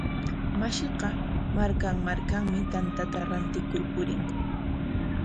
Mashiqa markan markanmi tanta rantikur purin.